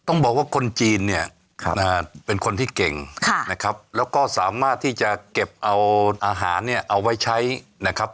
ต้องบอกว่าคนจีนเนี่ยเป็นคนที่เก่งนะครับแล้วก็สามารถที่จะเก็บเอาอาหารเนี่ยเอาไว้ใช้นะครับ